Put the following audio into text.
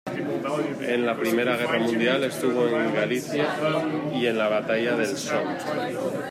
En la Primera Guerra Mundial estuvo en Galitzia y en la Batalla del Somme.